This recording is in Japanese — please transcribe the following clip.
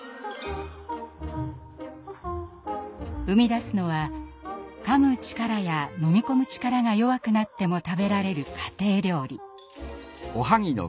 生み出すのはかむ力や飲み込む力が弱くなっても食べられる家庭料理。